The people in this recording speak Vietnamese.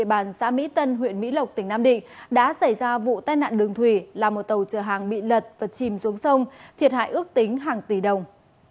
bàn xã mỹ tân huyện mỹ lộc tỉnh nam định đã xảy ra vụ tai nạn đường thủy làm một tàu chở hàng bị lật và chìm xuống sông thiệt hại ước tính hàng tỷ đồng